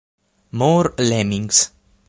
More Lemmings!